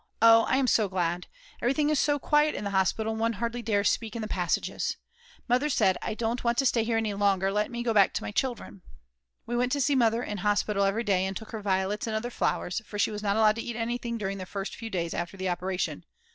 Oh I am so glad! Everything is so quiet in the hospital and one hardly dares speak in the passages. Mother said: "I don't want to stay here any longer, let me go back to my children." We went to see Mother in hospital every day and took her violets and other flowers, for she was not allowed to eat anything during the first few days after the operation.